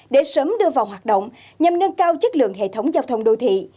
để sớm đưa vào hoạt động nhằm nâng cao chất lượng hệ thống giao thông đô thị